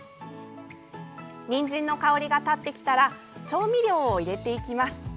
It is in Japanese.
にんじんの香りが立ってきたら調味料を入れていきます。